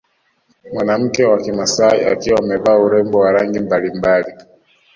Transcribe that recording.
Mwanamke wa kimasai akiwa amevaa urembo wa rangi mbalimbali